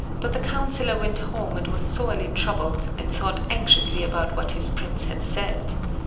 But the councillor went home, and was sorely troubled, and thought anxiously about what his prince had said.